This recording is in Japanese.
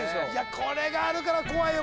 これがあるから怖いよ